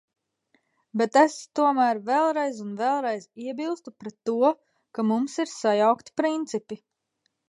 Bet es tomēr vēlreiz un vēlreiz iebilstu pret to, ka mums ir sajaukti principi.